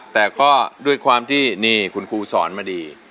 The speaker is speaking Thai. แต่ก็ด้วยความที่นี่คุณครูสอนมาดี